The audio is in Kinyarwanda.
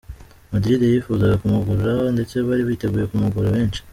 Madrid yifuzaga kumugura ndetse bari biteguye kumugura menshi.